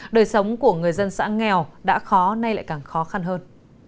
đời sống của người dân xã nghèo đã khó nay lại càng khó khăn hơn